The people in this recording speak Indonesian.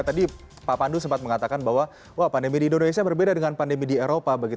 tadi pak pandu sempat mengatakan bahwa pandemi di indonesia berbeda dengan pandemi di eropa